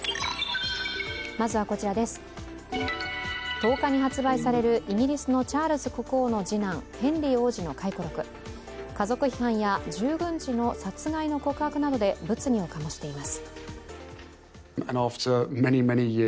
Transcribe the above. １０日に発売されるイギリスのチャールズ国王の次男・ヘンリー王子の回顧録、家族批判や従軍時の殺害の告白などで物議を醸しています。